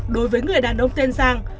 đối với người đàn ông tên giang